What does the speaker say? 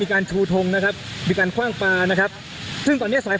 ทางกลุ่มมวลชนทะลุฟ้าทางกลุ่มมวลชนทะลุฟ้า